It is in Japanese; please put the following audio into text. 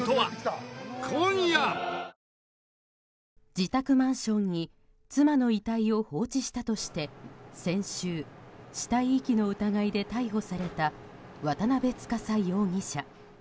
自宅マンションに妻の遺体を放置したとして先週、死体遺棄の疑いで逮捕された渡邉司容疑者。